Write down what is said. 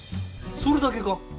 それだけか？